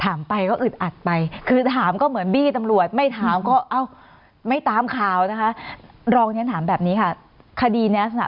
ถามไปก็อึดอัดไปคือถามก็เหมือนบี้ตำรวจไม่ถามก็ไม่ตามข่าวนะคะ